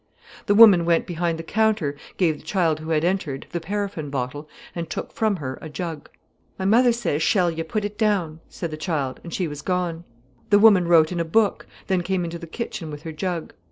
The woman went behind the counter, gave the child who had entered the paraffin bottle, and took from her a jug. "My mother says shall yer put it down," said the child, and she was gone. The woman wrote in a book, then came into the kitchen with her jug.